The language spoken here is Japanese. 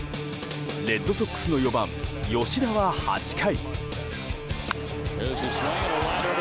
レッドソックスの４番吉田は８回。